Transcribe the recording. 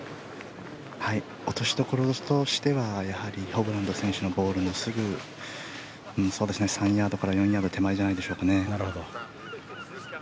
落としどころとしてはやはりホブラン選手のボールのすぐ３ヤードから４ヤード手前じゃないでしょうかね。